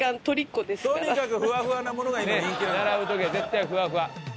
並ぶ時は絶対ふわふわ。